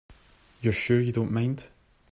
You're sure you don't mind?